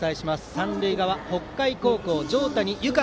三塁側、北海高校条谷有香